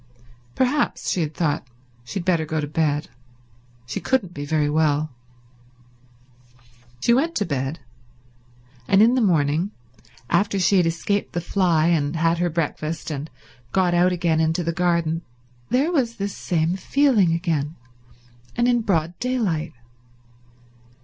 Perhaps, she had thought, she had better go to bed. She couldn't be very well. She went to bed; and in the morning, after she had escaped the fly and had her breakfast and got out again into the garden, there was this same feeling again, and in broad daylight.